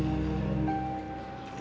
pak pak haris tadi sempat pingsan